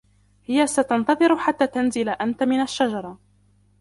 هي ستنتظر حتى تنزل أنت من الشجرة.